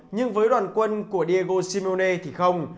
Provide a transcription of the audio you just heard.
nhưng với đoàn quân của diego simeone thì không